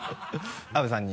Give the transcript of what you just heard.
阿部さんに。